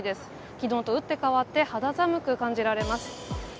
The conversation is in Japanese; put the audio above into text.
昨日と打って変わって肌寒く感じられます。